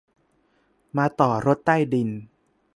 มาต่อรถใต้ดิน